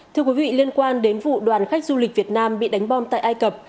thưa quý vị liên quan đến vụ đoàn khách du lịch việt nam bị đánh bom tại ai cập